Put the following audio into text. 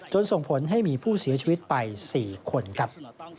ส่งผลให้มีผู้เสียชีวิตไป๔คนครับ